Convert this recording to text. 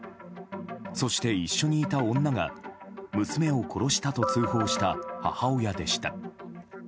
そして、一緒にいた女が娘を殺したと通報した母親でした。